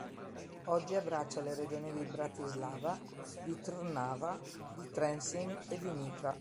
Oggi abbraccia le regioni di Bratislava, di Trnava, di Trenčín e di Nitra.